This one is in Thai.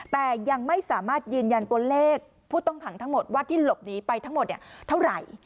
แต่ยังไม่สามารถยืนยันตัวเลขผู้ต้องขังทั้งหมดว่าที่หลบหนีไปทั้งหมดเท่าไหร่